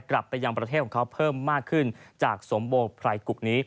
กลับไปยังประเทศของเขาเพิ่มมากขึ้นจากสมโบไพรกุกนี้